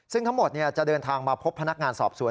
ซึ่งทั้งหมดจะเดินทางมาพบพนักงานสอบสวน